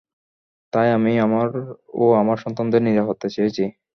তাই আমি আমার ও আমার সন্তানদের নিরাপত্তা চেয়েছি।